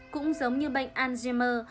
cũng giống như bệnh alzheimer